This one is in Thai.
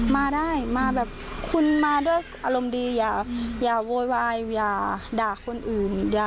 มาได้มาแบบคุณมาด้วยอารมณ์ดีอย่าโวยวายอย่าด่าคนอื่น